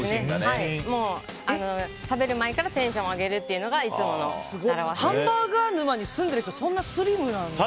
もう食べる前からテンションを上げるというのがハンバーガー沼に住んでるのにそんなスリムなんだ。